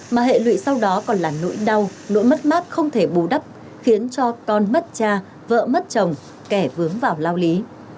mà hệ lụy sau đó còn là nỗi đau nỗi mất mát không thể bù đắp khiến cho con mất cha vợ mất chồng kẻ vướng vào lao lý